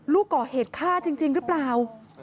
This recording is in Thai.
ลูกก่อเหตุฆ่าจริงหรือเปล่า